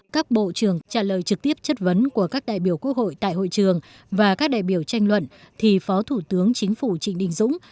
các bộ trưởng trả lời trực tiếp chất vấn của các đại biểu quốc hội tại hội trường và các đại biểu tranh luận thì phó thủ tướng chính phủ trịnh đình dũng